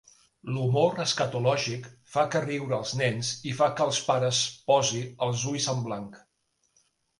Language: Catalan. L'humor escatològic fa que riure als nens i fa que els pares posi els ulls en blanc.